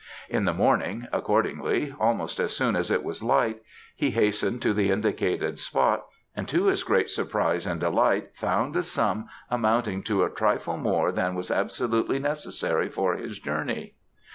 In the morning, accordingly, almost as soon as it was light he hastened to the indicated spot and to his great surprise and delight found a sum amounting to a trifle more than was absolutely necessary for his journey.